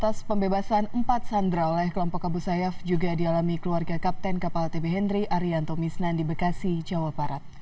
atas pembebasan empat sandera oleh kelompok abu sayyaf juga dialami keluarga kapten kapal tb henry arianto misnan di bekasi jawa barat